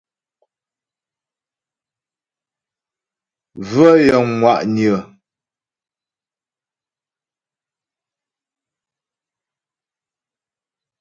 Bvə̂ yəŋ ŋwà'nyə̀.